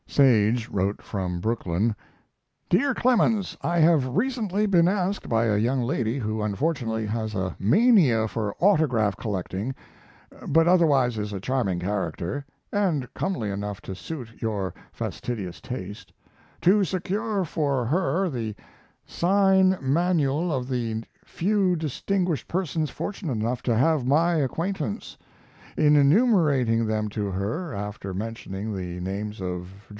Sage wrote from Brooklyn: DEAR CLEMENS, I have recently been asked by a young lady who unfortunately has a mania for autograph collecting, but otherwise is a charming character, and comely enough to suit your fastidious taste, to secure for her the sign manual of the few distinguished persons fortunate enough to have my acquaintance. In enumerating them to her, after mentioning the names of Geo.